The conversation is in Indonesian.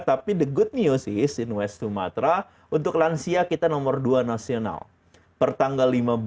tapi the good news is in west sumatera untuk lansia kita nomor dua nasional pertanggal